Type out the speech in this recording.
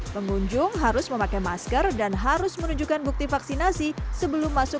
pengunjung harus memakai masker dan harus menunjukkan bukti vaksinasi sebelum masuk